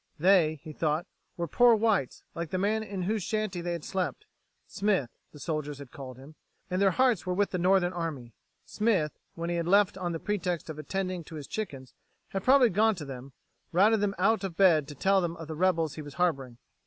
They, he thought, were "poor whites," like the man in whose shanty they had slept Smith, the soldiers had called him and their hearts were with the Northern army. Smith, when he had left on the pretext of attending to his chickens, had probably gone to them, routed them out of bed to tell them of the rebels he was harboring.